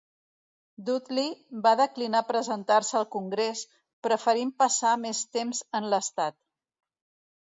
Dudley va declinar presentar-se al Congrés, preferint passar més temps en l'estat.